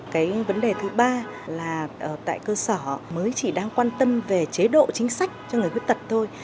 cái vấn đề thứ ba là tại cơ sở mới chỉ đang quan tâm về chế độ chính sách cho người khuyết tật thôi